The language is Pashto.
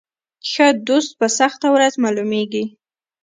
ښه دوست په سخته ورځ معلومیږي.